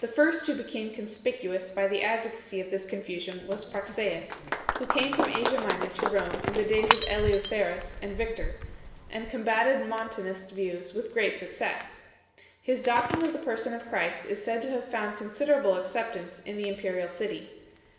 The first who became conspicuous by the advocacy of this confusion was Praxeas, who came from Asia Minor to Rome in the days of Eleutherus and Victor, and combatted Montanist views with great success. His doctrine of the Person of Christ is said to have found considerable acceptance in the im perial city.